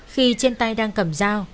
khi trên tay đang cầm dao